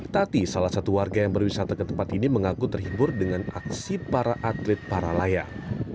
tati salah satu warga yang berwisata ke tempat ini mengaku terhibur dengan aksi para atlet para layang